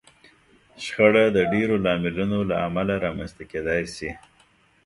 شخړه د ډېرو لاملونو له امله رامنځته کېدای شي.